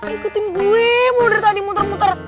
ikutin gue mulder tadi muter muter